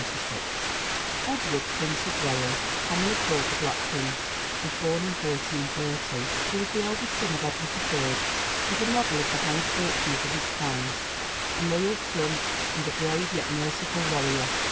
[TN]] Edward, Prince of Wales, commonly called the Black Prince, was born in 1330. He was the eldest son of Edward III., and a model of the highest virtues of his times, a loyal son, and a brave, yet merciful, warrior.